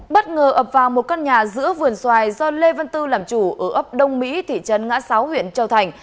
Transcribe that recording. bất ngờ ập vào một căn nhà giữa vườn xoài do lê văn tư làm chủ ở ấp đông mỹ thị trấn ngã sáu huyện châu thành